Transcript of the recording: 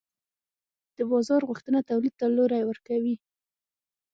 د بازار غوښتنه تولید ته لوری ورکوي.